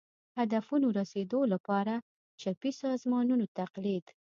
هدفونو رسېدو لپاره چپي سازمانونو تقلید